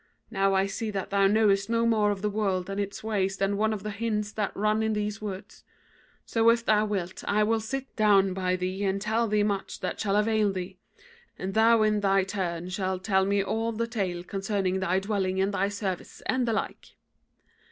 Now I see that thou knowest no more of the world and its ways than one of the hinds that run in these woods. So if thou wilt, I will sit down by thee and tell thee much that shall avail thee; and thou in thy turn shalt tell me all the tale concerning thy dwelling and thy service, and the like.'